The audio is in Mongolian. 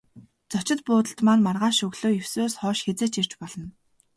Зочид буудалд маань маргааш өглөө есөөс хойш хэзээ ч ирж болно.